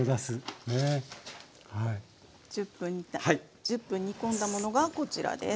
で１０分煮た１０分煮込んだものがこちらです。